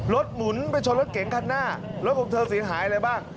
หมุนไปชนรถเก๋งคันหน้ารถของเธอเสียหายอะไรบ้าง